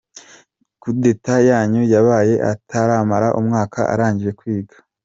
Kudeta yanyu yabaye ataramara umwaka arangije kwiga !